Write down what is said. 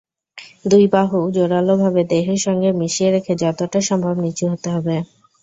দুই বাহু জোরালোভাবে দেহের সঙ্গে মিশিয়ে রেখে যতটা সম্ভব নিচু হতে হবে।